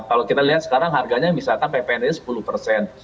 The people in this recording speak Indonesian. kalau kita lihat sekarang harganya misalnya ppn